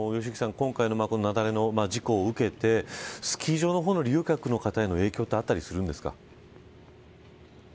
今回の雪崩の事故を受けてスキー場の利用客の方への影響はあったりするんですか。